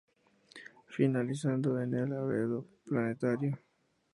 Finalizando en el Albedo planetario.